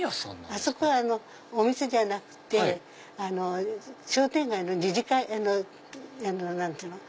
あそこはお店じゃなくて商店街の何ていうの？